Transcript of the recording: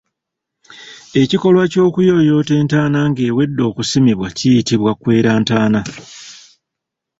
Ekikolwa ky’okuyooyoota entaana nga ewedde okusimibwa kiyitibwa kwera ntaana.